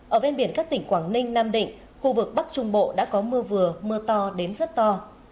ở ven biển các tỉnh quảng ninh nam định khu vực bắc trung bộ đã có mưa vừa mưa to đến rất to